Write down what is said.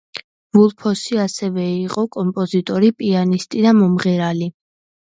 ვულფსონი ასევე იყო კომპოზიტორი, პიანისტი და მომღერალი.